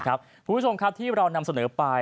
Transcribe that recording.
คุณผู้ชมครับที่เรานำเสนอไป